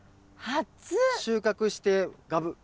収穫してガブッ。